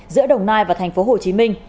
giữa đồng nai và tp hcm